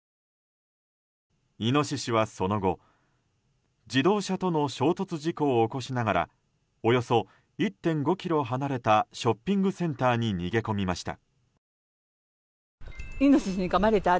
イノシシはその後、自動車との衝突事故を起こしながらおよそ１．５ｋｍ離れたショッピングセンターに逃げ込みました。